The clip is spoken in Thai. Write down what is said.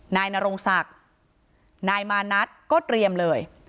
นายนรงศักดิ์นายมานัทก็เตรียมเลย